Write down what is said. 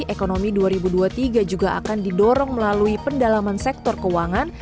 ekonomi dua ribu dua puluh tiga juga akan didorong melalui pendalaman sektor keuangan